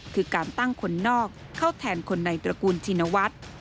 คือการตั้งคนนอกเข้าแทนคนในตระกูลชินวัฒน์